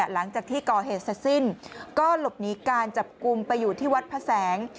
หลังจากที่ก่อเหตุเสร็จสิ้นก็หลบหนีการจับกลุ่มไปอยู่ที่วัดพระแสง